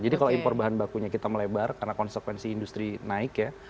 jadi kalau impor bahan bakunya kita melebar karena konsekuensi industri naik ya